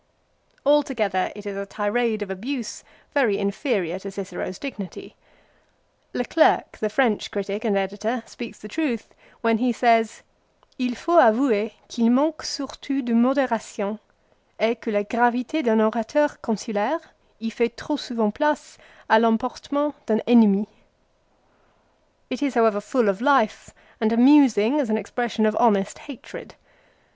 1 Altogether it is a tirade of abuse very inferior to Cicero's dignity. Le Clerc, the French critic and editor, speaks the truth when he says, " II faut avouer qu'il manque surtout de moderation, et que la gravit^ d'un orateur consulaire y fait trop souvent place a 1'emportement d'un ennemi." It is, however, full of life, and amusing as an expression of honest hatred.